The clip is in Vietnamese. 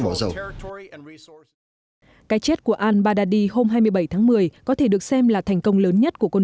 mỏ dầu cái chết của al baghdadi hôm hai mươi bảy tháng một mươi có thể được xem là thành công lớn nhất của quân